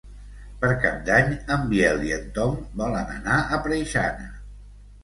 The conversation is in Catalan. Per Cap d'Any en Biel i en Tom volen anar a Preixana.